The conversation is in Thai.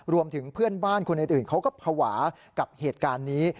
รวมถึงเพื่อนบ้านคนอื่นเขาก็ภาวะกับเหตุการณ์นี้